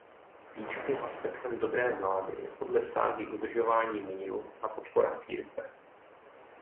Klíčovým aspektem dobré vlády je podle ságy udržování míru a podpora církve.